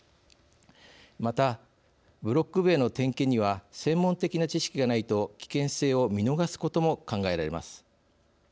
またブロック塀の点検には専門的な知識がないと危険性を見逃すことも考えられます。